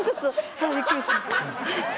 あぁびっくりした。